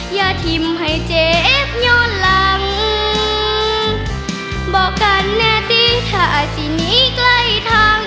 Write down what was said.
อย่าทิ้มให้เจ็บย้อนหลังบอกกันแน่ติถ้าสิหนีใกล้ทาง